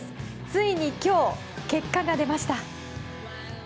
ついに今日、結果が出ました。